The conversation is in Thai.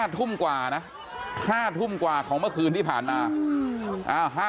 ทุ่มกว่านะ๕ทุ่มกว่าของเมื่อคืนที่ผ่านมา